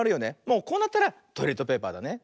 もうこうなったらトイレットペーパーだね。